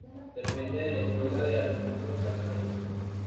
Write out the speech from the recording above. Depende de la Escuela de Armamentos de la Armada de Chile.